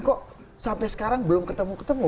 kok sampai sekarang belum ketemu ketemu